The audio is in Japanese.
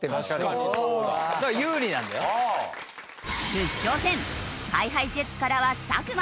副将戦ＨｉＨｉＪｅｔｓからは作間。